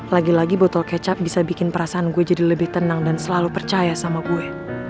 lagi lagi botol kecap bisa bikin perasaan gue jadi lebih tenang dan selalu percaya sama gue